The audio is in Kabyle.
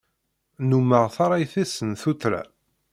Nnummeɣ tarrayt-is n tuttra.